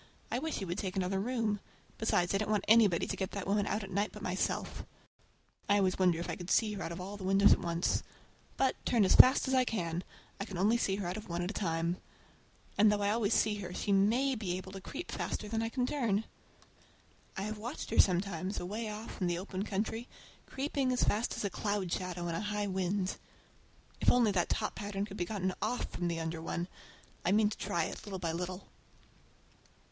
I wish he would take another room! Besides, I don't want anybody to get that woman out at night but myself. I often wonder if I could see her out of all the windows at once. But, turn as fast as I can, I can only see out of one at one time. And though I always see her she may be able to creep faster than I can turn! I have watched her sometimes away off in the open country, creeping as fast as a cloud shadow in a high wind. If only that top pattern could be gotten off from the under one! I mean to try it, little by little.